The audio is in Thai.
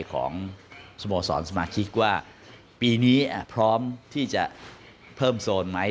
ของสโมสรสมาชิกว่าปีนี้พร้อมที่จะเพิ่มโซนไหม